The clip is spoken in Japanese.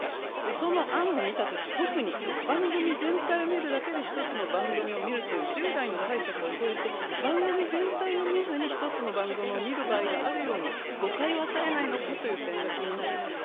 その案を見たとき特に番組全体を見るだけで、１つの番組を見るという従来の解釈を超えて、番組全体を見ずに１つの番組を見る場合があるように誤解を与えないのかという点が気になりました。